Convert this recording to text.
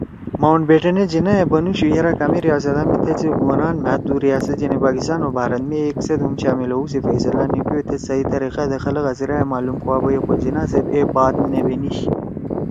ماؤنٹ بیٹین ئے جناح ئے بنُوشُو یرأ کامے ریاستا می تھید سی حکمران مھأ دو ریاست یعنی پاکستان او بھارت می ایک سیت ہُم شامل ہؤ سی فیصلہ نی کیو تھید صحیح طریقہ دے خلگا سی رائے معلوم کوا بیئی خو جناح صیب اے بات نے بینیشی